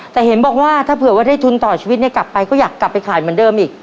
แต่เห็นบอกว่าถ้าเผื่อว่าได้ทุนต่อชีวิตเนี่ยกลับไปก็อยากกลับไปขายเหมือนเดิมอีก